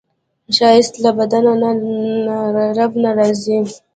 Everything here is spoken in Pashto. ښایست له بنده نه، له رب نه راځي